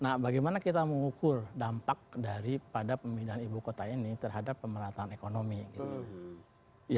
nah bagaimana kita mengukur dampak daripada pemindahan ibu kota ini terhadap pemerataan ekonomi gitu